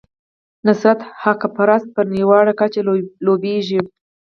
نصرت حقپرست په نړیواله کچه لوبیږي.